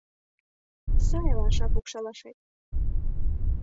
Сай алаша пукшалашет